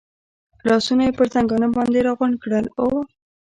لاسونه یې پر زنګانه باندې را غونډ کړل، اوه.